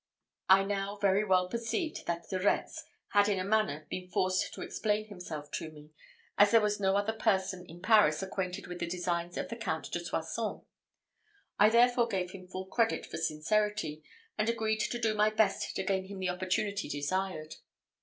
I now very well perceived that De Retz had in a manner been forced to explain himself to me, as there was no other person in Paris acquainted with the designs of the Count de Soissons. I therefore gave him full credit for sincerity, and agreed to do my best to gain him the opportunity desired.